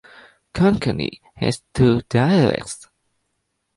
Konkani has two dialects.